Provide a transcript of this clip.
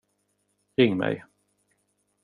Ring mig.